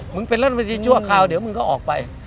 เป็นรัฐมนตรีชั่วคราวเดี๋ยวมึงก็ออกไป